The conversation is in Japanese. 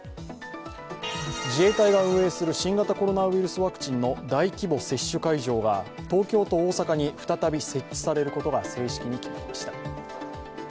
自衛隊が運営する新型コロナウイルスワクチンの大規模接種会場が東京と大阪に再び設置されることが正式に決まりました。